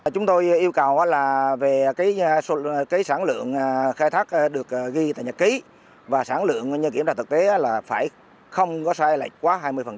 chúng tôi yêu cầu là về sản lượng khai thác được ghi tại nhật ký và sản lượng như kiểm tra thực tế là phải không có sai lệch quá hai mươi